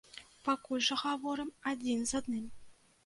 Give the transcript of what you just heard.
Пакуль жа гаворым адзін з адным.